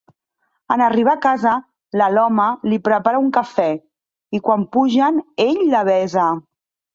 En arribar a casa, l'Aloma li prepara un cafè, i quan pugen, ell la besa.